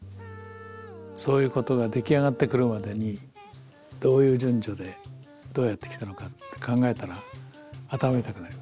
そういうことが出来上がってくるまでにどういう順序でどうやってきたのかって考えたら頭痛くなります。